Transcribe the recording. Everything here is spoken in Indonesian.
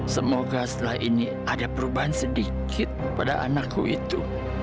semoga setelah ini ada perubahan sedikit pada anakku itu